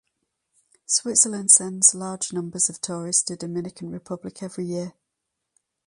Switzerland sends large numbers of tourists to Dominican Republic every year.